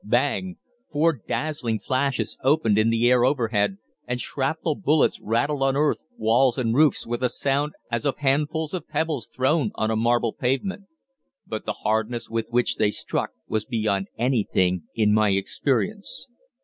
Bang!' four dazzling flashes opened in the air overhead, and shrapnel bullets rattled on earth, walls, and roofs with a sound as of handfuls of pebbles thrown on a marble pavement. But the hardness with which they struck was beyond anything in my experience.